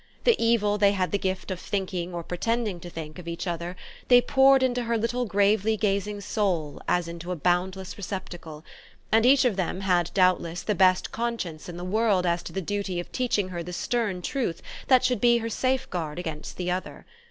The evil they had the gift of thinking or pretending to think of each other they poured into her little gravely gazing soul as into a boundless receptacle, and each of them had doubtless the best conscience in the world as to the duty of teaching her the stern truth that should be her safeguard against the other.